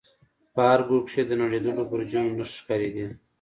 په هر گوټ کښې يې د نړېدلو برجونو نخښې ښکارېدې.